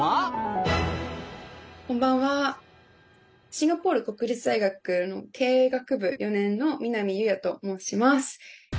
シンガポール国立大学の経営学部４年の南佑弥と申します。